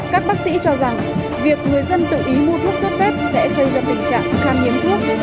các bác sĩ cho rằng việc người dân tự ý mua thuốc sốt z sẽ gây ra tình trạng kháng hiếm thuốc